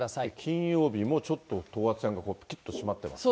金曜日もちょっと等圧線がぴっとしまってますね。